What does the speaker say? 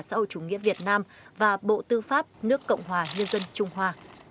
sau chủ nghĩa việt nam và bộ tư pháp nước cộng hòa nhân dân trung hoa